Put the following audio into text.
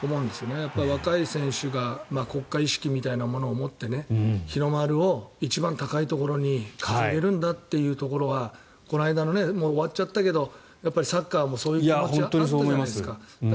やっぱり若い選手が国家意識みたいなものをもって日の丸を一番高いところに掲げるんだというところがこの間のもう終わっちゃったけどサッカーもそういう気持ちがあったじゃないですか。